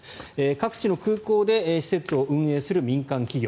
各地の空港で施設を運営する民間企業。